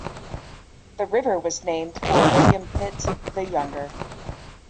The river was named for William Pitt the Younger.